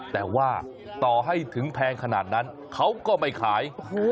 แต่ว่าต่อให้ถึงแพงขนาดนั้นเขาก็ไม่ขาย